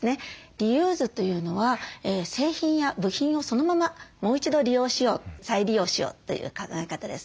リユーズというのは製品や部品をそのままもう一度利用しよう再利用しようという考え方です。